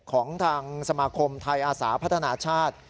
ของทางสมาคมไทยอาสาพัฒนาชาติ